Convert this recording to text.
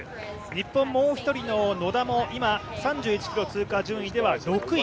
日本、もう一人の野田も３１ｋｍ通過順位では６位。